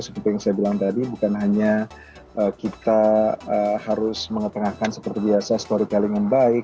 seperti yang saya bilang tadi bukan hanya kita harus mengetengahkan seperti biasa story calling yang baik